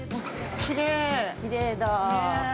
◆きれいだ。